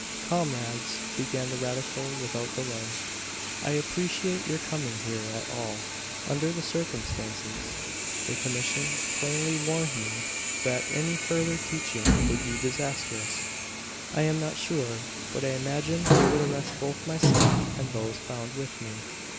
"Comrades," began the radical without delay, "I appreciate your coming here at all, under the circumstances. The commission plainly warned me that any further teaching would be disastrous. I am not sure, but I imagine they would arrest both myself and those found with me.